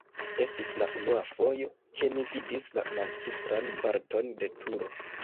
Estis la unua fojo, ke mi vidis la malsupran parton de turo.